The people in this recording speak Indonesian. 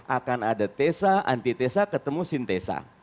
akan ada tesa anti tesa ketemu sintesa